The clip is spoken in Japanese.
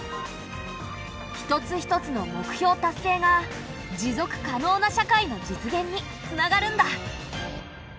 一つ一つの目標達成が「持続可能な社会」の実現につながるんだ。